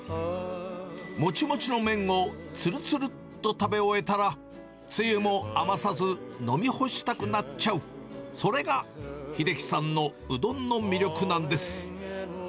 もちもちの麺をつるつるっと食べ終えたら、つゆも余さず飲み干したくなっちゃう、それが英樹さんのうどんの魅力なんです。